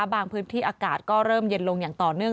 บางพื้นที่อากาศก็เริ่มเย็นลงอย่างต่อเนื่อง